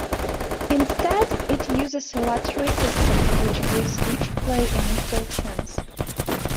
Instead it uses a lottery system which gives each play an equal chance.